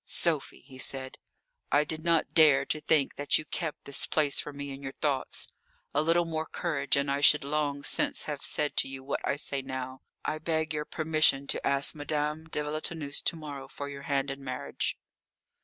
"Sophie," he said, "I did not dare to think that you kept this place for me in your thoughts. A little more courage and I should long since have said to you what I say now. I beg your permission to ask Madame de Villetaneuse to morrow for your hand in marriage."